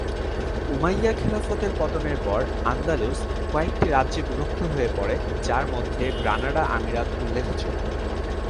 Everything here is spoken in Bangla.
উমাইয়া খিলাফতের পতনের পর আন্দালুস কয়েকটি রাজ্যে বিভক্ত হয়ে পড়ে যার মধ্যে গ্রানাডা আমিরাত উল্লেখযোগ্য।